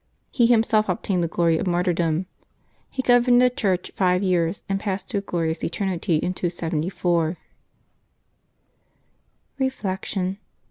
He him self obtained the glory of martyrdom. He governed the Church five years, and passed to a glorious eternity in 274. Reflection.